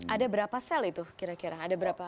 ada berapa sel itu kira kira